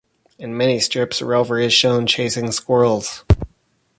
In many strips Rover is shown chasing squirrels.